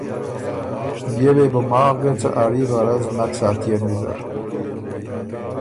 بيې وې بو ماخ ګه څه اړي غرض نک ساتيېن ویزر۔